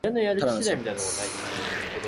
ただの散髪